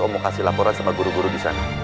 mau kasih laporan sama guru guru di sana